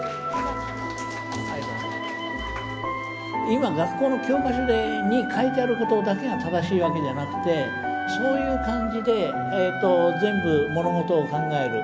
今学校の教科書に書いてあることだけが正しいわけじゃなくてそういう感じで全部物事を考える。